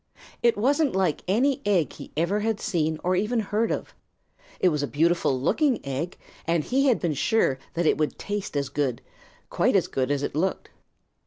It wasn't like any egg he ever had seen or even heard of. It was a beautiful looking egg, and he had been sure that it would taste as good, quite as good as it looked.